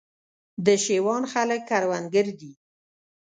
د شېوان خلک کروندګر دي